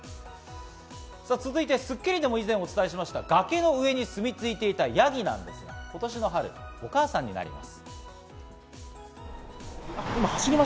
続いて『スッキリ』でも以前お伝えしました、崖の上に住み着いていたヤギなんですが、今年の春、お母さんになります。